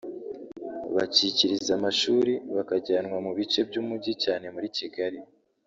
bacikiriza amashuri bakajyanwa mu bice by’Umujyi cyane muri Kigali